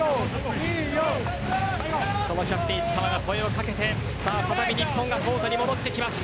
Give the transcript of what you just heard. そのキャプテン石川が声を掛けて再び日本がコートに戻っていきます。